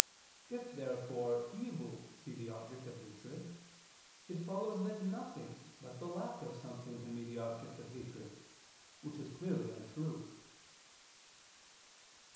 If therefore evil be the object of hatred, it follows that nothing but the lack of something can be the object of hatred: which is clearly untrue.